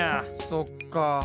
そっか。